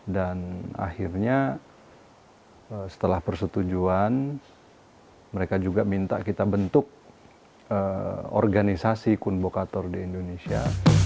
dan akhirnya setelah persetujuan mereka juga minta kita bentuk organisasi kun bokator di indonesia